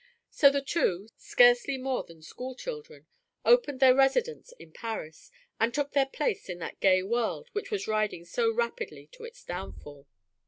So the two, scarcely more than school children, opened their residence in Paris, and took their place in that gay world which was riding so rapidly to its downfall.